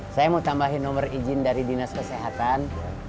saya mau tambahin nomor izin dari dinas kesehatan